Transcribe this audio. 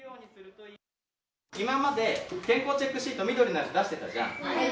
今まで健康チェックシート、緑のやつ、出してたじゃん。